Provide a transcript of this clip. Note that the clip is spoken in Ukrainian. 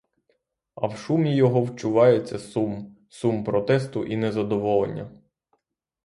А в шумі його вчувається сум — сум протесту і незадоволення.